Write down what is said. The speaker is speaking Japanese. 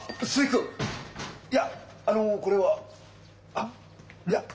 あっいや。